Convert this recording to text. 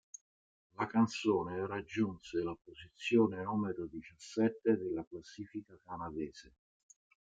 La canzone raggiunse la posizione numero diciassette della classifica canadese.